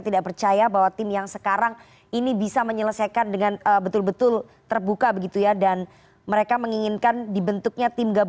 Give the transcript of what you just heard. terima kasih pak benny